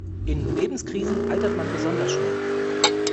In Lebenskrisen altert man besonders schnell.